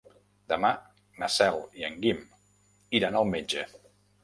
Demà na Cel i en Guim iran al metge.